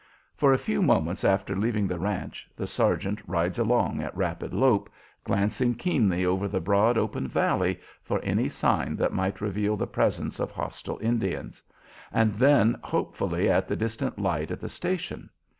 For a few moments after leaving the ranch the sergeant rides along at rapid lope, glancing keenly over the broad, open valley for any sign that might reveal the presence of hostile Indians, and then hopefully at the distant light at the station.